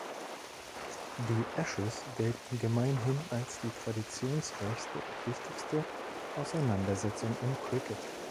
Die Ashes gelten gemeinhin als die traditionsreichste und wichtigste Auseinandersetzung im Cricket.